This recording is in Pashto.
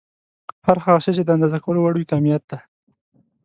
هر هغه شی چې د اندازه کولو وړ وي کميت دی.